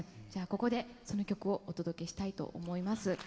ここでその曲をお届けしたいと思います。